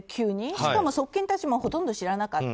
しかも側近たちもほとんど知らなかった。